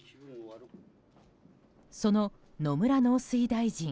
その野村農水大臣